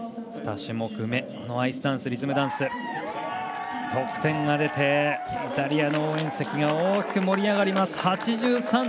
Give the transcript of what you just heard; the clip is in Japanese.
２種目め、アイスダンスリズムダンス、得点が出てイタリアの応援席が大きく盛り上がります。